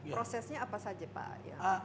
prosesnya apa saja pak